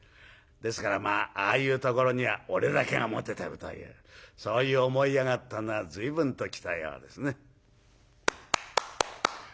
ですからまあああいうところには俺だけがモテてるというそういう思い上がったのはずいぶんと来たようですね。